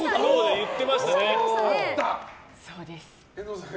言ってましたね。